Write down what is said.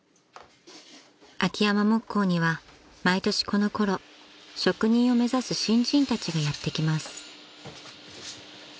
［秋山木工には毎年このころ職人を目指す新人たちがやって来ます］